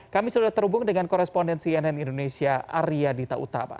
kami sudah terhubung dengan koresponden cnn indonesia arya dita utama